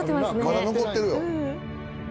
「まだ残ってるよ」